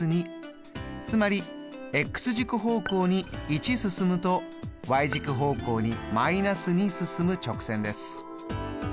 つまり軸方向に１進むとｙ軸方向に−２進む直線です。